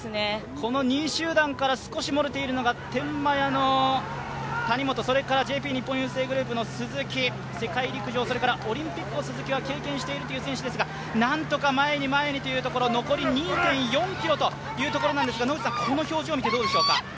この２位集団から少し漏れているのが天満屋の谷本、ＪＰ日本郵政グループの鈴木、世界陸上、オリンピックを鈴木は経験している選手ですが何とか前に前にというところ、残り２．４ｋｍというところですが、この表情見て、どうでしょうか？